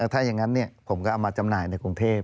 ถ้าอย่างนั้นผมก็เอามาจำหน่ายในกรุงเทพ